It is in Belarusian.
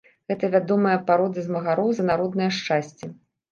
Гэта вядомая парода змагароў за народнае шчасце.